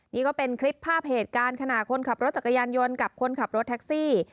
นี่ก็เป็นคลิปภาพเหตุการณ์ขณะคนขับรถจักรยานยนต์กับคนขับรถแท็กซี่